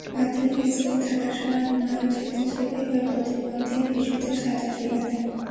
মাধ্যমিক স্কুলে থাকার সময় হুমায়ুন স্বেচ্ছাসেবী হয়ে প্রতিবন্ধী শিশুদের সাঁতার শেখাতেন।